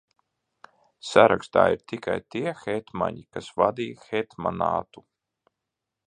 Sarakstā ir tikai tie hetmaņi, kas vadīja Hetmanātu.